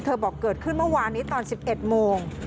บอกเกิดขึ้นเมื่อวานนี้ตอน๑๑โมง